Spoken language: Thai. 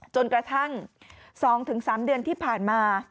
จนกระทั่ง๒๓เดือนที่ผ่านมา